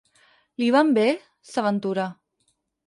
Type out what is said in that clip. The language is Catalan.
Li van bé? —s'aventura.